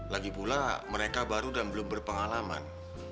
lagi pula mereka baru dan belum berpengalaman